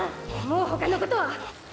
もう他のことは。